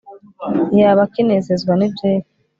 ntiyabakinezezwa nibyera